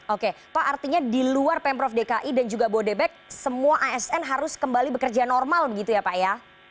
oke pak artinya di luar pemprov dki dan juga bodebek semua asn harus kembali bekerja normal begitu ya pak ya